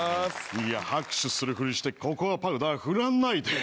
いや拍手するふりしてココアパウダー振らないで。